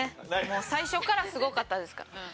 もう最初からすごかったですから。